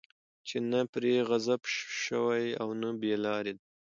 چې نه پرې غضب شوی، او نه بې لاري دي